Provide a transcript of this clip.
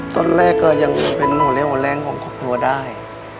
ตอนแรกก็ยังเป็นหัวเลวหัวแรงของครอบครัวได้